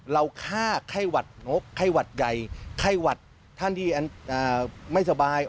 เราฆ่าไข้หวัดงกไข้หวัดใหญ่ไข้หวัดท่านที่อันไม่สบาย